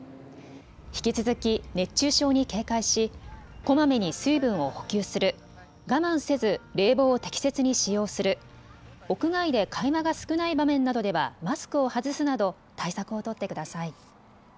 引き続き熱中症に警戒しこまめに水分を補給する、我慢せず冷房を適切に使用する、屋外で会話が少ない場面などではマスクを外すなど対策を取ってください。